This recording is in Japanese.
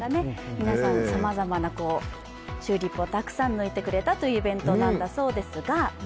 皆さん、さまざまなチューリップをたくさん抜いてくれたというイベントなんだそうです。